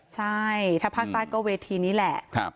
ใช่ถ้าภาคใต้ก็เวทีนี้แหละ